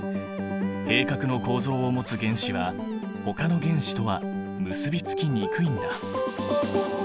閉殻の構造を持つ原子はほかの原子とは結びつきにくいんだ。